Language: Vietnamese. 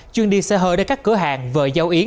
chuyên đi xe hơi đến các cửa hàng vợ giao yến